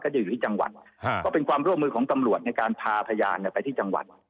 จะอยู่ที่จังหวัดก็เป็นความร่วมมือของตำรวจในการพาพยานไปที่จังหวัด